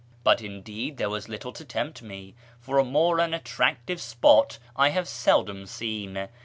But indeed there was little to tempt me, for a more un attractive spot I have seldom seen.